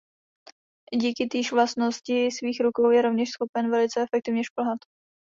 Díky týž vlastnosti svých rukou je rovněž schopen velice efektivně šplhat.